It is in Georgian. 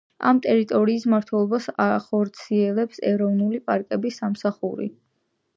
ამ ტერიტორიის მმართველობას ახორციელებს ეროვნული პარკების სამსახური.